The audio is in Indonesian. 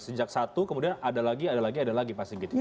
sejak satu kemudian ada lagi ada lagi ada lagi pasti gitu ya